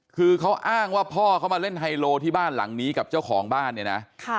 คือเขาอ้างว่าพ่อเขามาเล่นไฮโลที่บ้านหลังนี้กับเจ้าของบ้านเนี่ยนะ